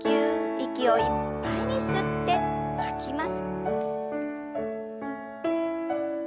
息をいっぱいに吸って吐きます。